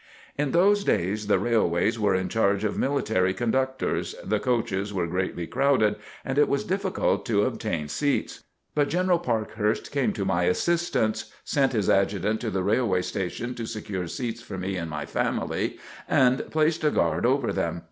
In those days the railways were in charge of military conductors, the coaches were greatly crowded and it was difficult to obtain seats. But General Parkhurst came to my assistance, sent his adjutant to the railway station to secure seats for me and my family, and placed a guard over them.